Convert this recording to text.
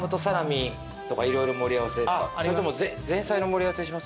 それとも前菜の盛り合わせにしますか？